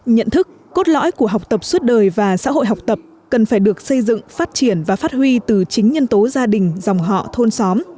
nhận thức cốt lõi của học tập suốt đời và xã hội học tập cần phải được xây dựng phát triển và phát huy từ chính nhân tố gia đình dòng họ thôn xóm